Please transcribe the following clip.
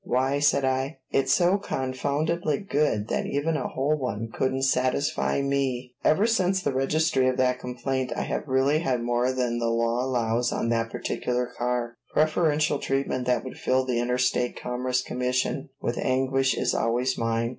"Why," said I, "it's so confoundedly good that even a whole one couldn't satisfy me!" [Illustration: "These men on the engines are great characters."] Ever since the registry of that complaint I have really had more than the law allows on that particular car. Preferential treatment that would fill the Interstate Commerce Commission with anguish is always mine.